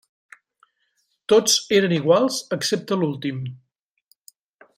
Tots eren iguals excepte l'últim.